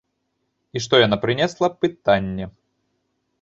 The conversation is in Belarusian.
І што яна прынесла, пытанне.